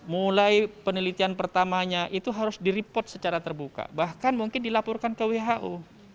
mulai penelitian pertamanya itu harus di report secara terbuka bahkan mungkin dilaporkan ke who